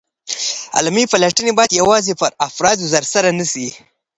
علمي پلټني باید یوازي پر افرادو ترسره نسي.